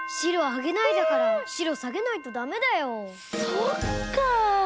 そっか。